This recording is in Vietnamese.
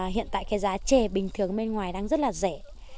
hiện tại cái giá chè bình thường bên ngoài đang rất là rẻ